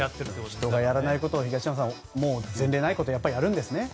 人がやらないことを前例がないことをやるんですね